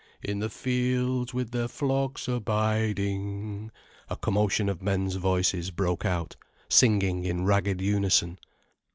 "In the fields with their flocks abiding." A commotion of men's voices broke out singing in ragged unison.